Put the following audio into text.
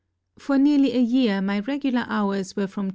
For nearly a year my regular hours were from 10.